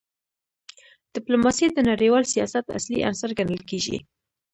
ډیپلوماسي د نړیوال سیاست اصلي عنصر ګڼل کېږي.